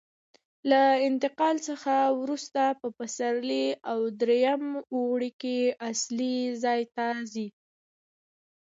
له انتقال څخه وروسته په پسرلي او درېیم اوړي کې اصلي ځای ته ځي.